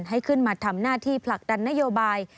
ให้ขึ้นมาทำหน้าที่ผลักดันนโยบาย